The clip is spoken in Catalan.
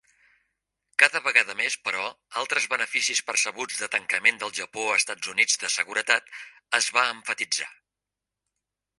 Cada vegada més, però, altres beneficis percebuts de tancament del Japó-Estats Units de seguretat es va emfatitzar.